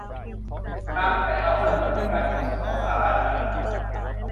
งานวิจัยอัลไซเมอร์เป็นการกุศลของสหราชอาณาจักร